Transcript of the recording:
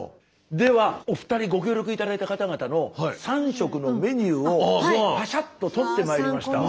ではお二人ご協力頂いた方々の３食のメニューをパシャッと撮ってまいりました。